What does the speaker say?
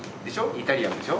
イタリアンでしょ？